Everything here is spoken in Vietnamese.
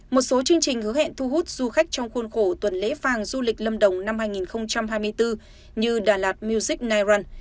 một số chương trình hứa hẹn thu hút du khách trong khuôn khổ tuần lễ vàng du lịch lâm đồng năm hai nghìn hai mươi bốn như đà lạt music nairon